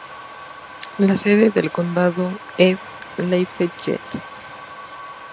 La sede del condado es LaFayette.